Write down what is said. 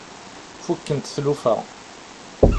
Fukkent tlufa.